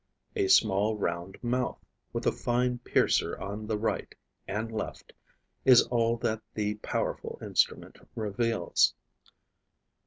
A small round mouth, with a fine piercer on the right and left, is all that the powerful instrument reveals.